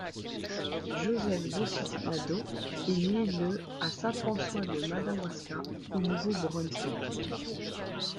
Joseph Docithe Nadeau est né le à Saint-François-de-Madawaska, au Nouveau-Brunswick.